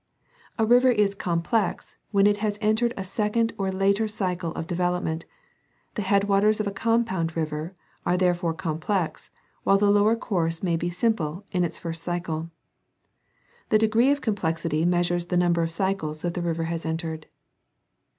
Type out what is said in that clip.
A river is complex when it has entered a second or later cycle of development ; the headwaters of a compound river are there fore complex, while the lower course may be simple, in its first cycle. The degree of complexity measures the number of cycles that the river has entered.